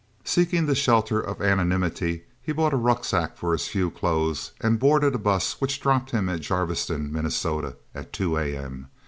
Seeking the shelter of anonymity, he bought a rucksack for his few clothes, and boarded a bus which dropped him at Jarviston, Minnesota, at two a.m.